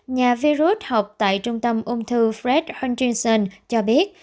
nhà vi rút học tại trung tâm ung thư fred hutchinson cho biết